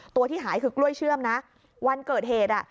ที่หายคือกล้วยเชื่อมนะวันเกิดเหตุอ่ะ